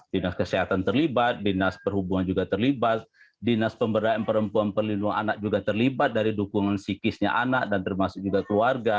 dinas kesehatan terlibat dinas perhubungan juga terlibat dinas pemberdayaan perempuan perlindungan anak juga terlibat dari dukungan psikisnya anak dan termasuk juga keluarga